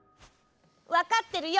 わかってるよ！